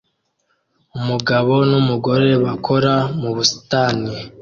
Umugabo n'umugore bakora mu busitani